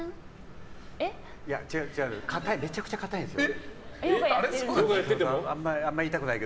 違うめちゃくちゃ硬いんですよ。